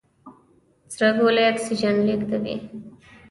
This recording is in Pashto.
سره ګولۍ اکسیجن لېږدوي.